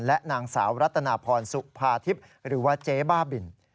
และนางสาวรัตนาพรสุภาทิพย์หรือว่าเจ๊บ้าบิน